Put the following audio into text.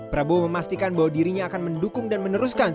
prabowo memastikan bahwa dirinya akan mendukung dan meneruskan